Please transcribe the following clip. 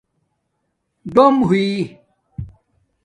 ڈوم ہوئئ